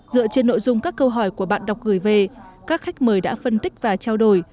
dựa trên nội dung các câu hỏi của bạn đọc gửi về các khách mời đã phân tích và trao đổi